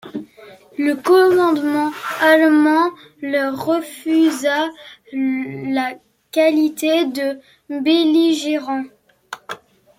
Le commandement allemand leur refusa la qualité de belligérant.